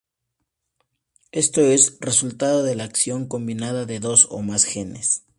Esto es: resultado de la acción combinada de dos o más genes.